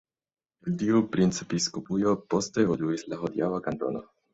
El tiu princepiskopujo poste evoluis la hodiaŭa kantono.